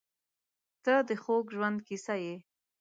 • ته د خوږ ژوند کیسه یې.